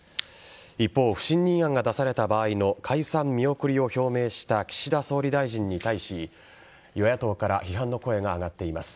一方、不信任案が出された場合の解散見送りを表明した岸田総理大臣に対し与野党から批判の声が上がっています。